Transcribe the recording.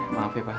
maaf ya pak